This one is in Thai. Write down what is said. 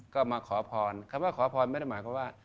ก็มาขอพรคำว่าขอพรไม่ได้หมายความว่า